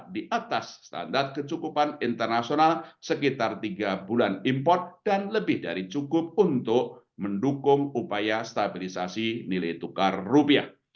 di atas standar kecukupan internasional sekitar tiga bulan import dan lebih dari cukup untuk mendukung upaya stabilisasi nilai tukar rupiah